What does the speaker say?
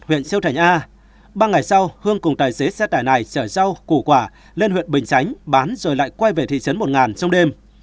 huyện châu thành a ba ngày sau hương cùng tài xế xe tải này chở rau củ quả lên huyện bình sánh bán rồi lại quay về thị trấn một ngàn trong đêm